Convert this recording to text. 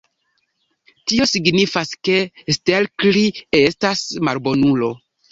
Tio signifas, ke Stelkri estas malbonulo.